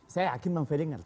saya yakin bang ferry mengerti